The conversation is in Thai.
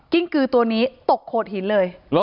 กือตัวนี้ตกโขดหินเลย